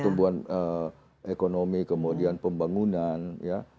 pertumbuhan ekonomi kemudian pembangunan ya